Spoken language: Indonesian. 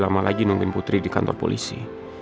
lebih lama lagi nungkin putri di kantor polisi